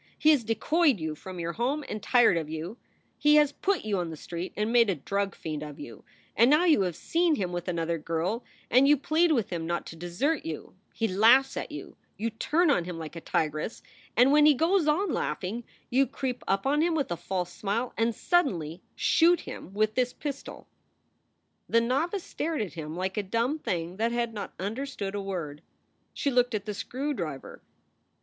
He has decoyed you from your home and tired of you; he has put you on the street and made a drug fiend of you, and now you have seen him with another girl, and you plead with him not to desert you; he laughs at you; you turn on him like a tigress and, when he goes on laughing, you creep up on him with a false smile and suddenly shoot him with this pistol." The novice stared at him like a dumb thing that had not understood a word. She looked at the screw driver.